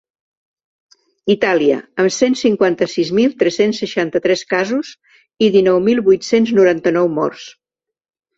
Itàlia, amb cent cinquanta-sis mil tres-cents seixanta-tres casos i dinou mil vuit-cents noranta-nou morts.